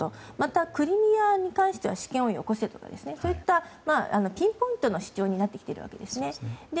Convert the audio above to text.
また、クリミアに関しては主権をよこせとかそういったピンポイントの主張になってきているわけですね。